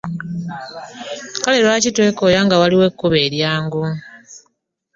Kale lwaki twekooya nga waliwo ekkubo eryangu?